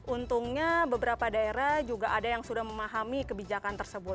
untungnya beberapa daerah juga ada yang sudah memahami kebijakan tersebut